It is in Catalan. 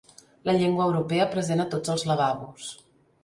La llengua europea present a tots els lavabos.